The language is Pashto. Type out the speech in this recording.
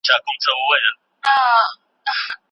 هغه سړی چې خبرې نه کوي، ډېر پوه دی.